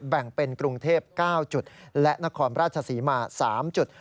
แบ่งเป็นกรุงเทพ๙จุดและนครราชศรีมา๓จุด